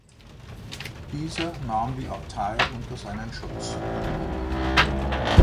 Dieser nahm die Abtei unter seinen Schutz.